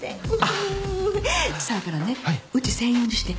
そやからねうち専用にして。